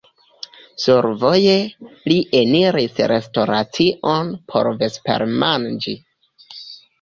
Survoje li eniris restoracion por vespermanĝi.